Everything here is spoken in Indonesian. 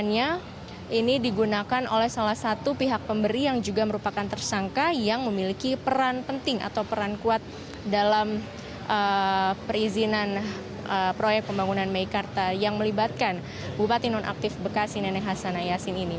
ini digunakan oleh salah satu pihak pemberi yang juga merupakan tersangka yang memiliki peran penting atau peran kuat dalam perizinan proyek pembangunan meikarta yang melibatkan bupati nonaktif bekasi nenek hasanayasin ini